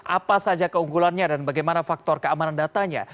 apa saja keunggulannya dan bagaimana faktor keamanan datanya